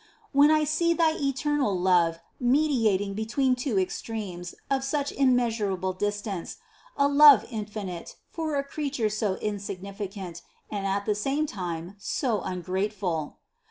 When I see thy eternal love mediating between two extremes of such immeasurable distance ; a love in finite, for a creature so insignificant and at the same time so ungrateful!